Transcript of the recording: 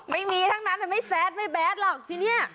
ไม่มีทั้งนั้นไม่แซดไม่แบดหรอกที่นี่